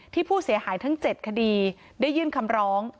ผู้เสียหายทั้ง๗คดีได้ยื่นคำร้อง